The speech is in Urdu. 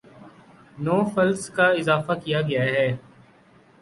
نو فلس کا اضافہ کیا گیا ہے